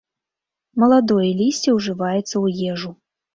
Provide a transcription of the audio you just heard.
Маладое лісце ўжываецца ў ежу.